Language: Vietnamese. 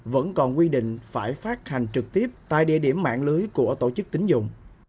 vẫn còn quy định phải phát hành trực tiếp tại địa điểm mạng lưới của tổ chức tính dụng